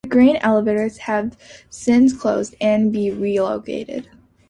The grain elevators have since closed and been relocated.